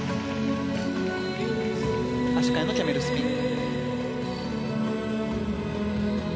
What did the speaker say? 足換えのキャメルスピン。